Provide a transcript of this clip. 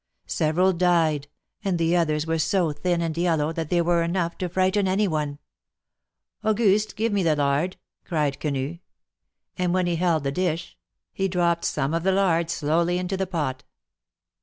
Several died, and the others were so thin and yellow that they were enough to frighten any one.'' '^Auguste, give me the lard," cried Quenu; and when he held the dish, he dropped some of the lard slowly into the pot.